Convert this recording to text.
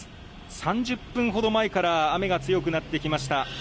３０分ほど前から雨が強くなってきました。